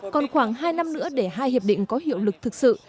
còn khoảng hai năm nữa để hai hiệp định có hiệu lực thực sự